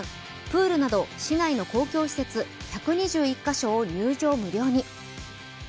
プールなど市内の公共施設１２１カ所を入場無料に。